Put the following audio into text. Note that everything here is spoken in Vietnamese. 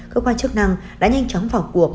cơ quan chức năng đã nhanh chóng vào cuộc